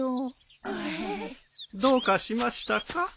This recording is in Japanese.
・どうかしましたか？